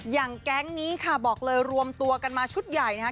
แก๊งนี้ค่ะบอกเลยรวมตัวกันมาชุดใหญ่นะคะ